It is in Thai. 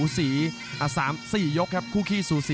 รับทราบบรรดาศักดิ์